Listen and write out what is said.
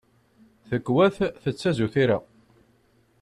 Takwat tettazu tira.